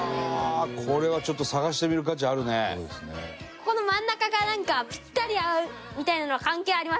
ここの真ん中がなんかぴったり合うみたいなのは関係ありません。